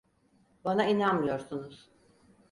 Bana inanmıyorsunuz.